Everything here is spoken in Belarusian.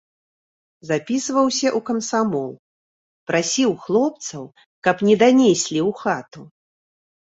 Запісваўся ў камсамол, прасіў хлопцаў, каб не данеслі ў хату.